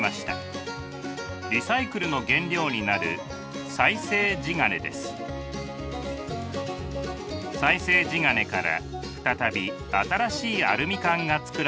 リサイクルの原料になる再生地金から再び新しいアルミ缶が作られるのです。